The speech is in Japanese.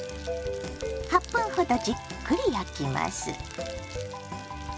８分ほどじっくり焼きます。